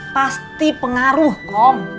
pasti pengaruh kom